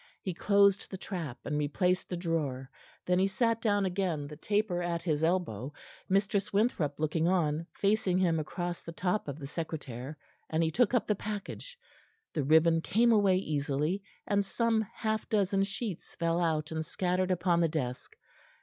He closed the trap and replaced the drawer. Then he sat down again, the taper at his elbow, Mistress Winthrop looking on, facing him across the top of the secretaire, and he took up the package. The ribbon came away easily, and some half dozen sheets fell out and scattered upon the desk.